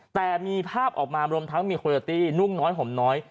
แต่มีภาพออกมารวมทั้งมีโคโยตี้นุ่งน้อยห่มน้อย